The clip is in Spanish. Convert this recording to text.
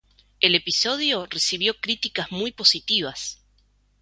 El episodio recibió críticas muy positivas.